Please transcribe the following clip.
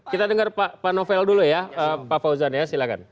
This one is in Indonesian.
kita dengar pak novel dulu ya pak fauzan ya silahkan